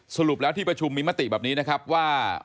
สรุปแล้วที่ประชุมมีมติแบบนี้นะครับว่า